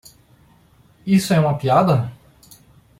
Isso é uma piada?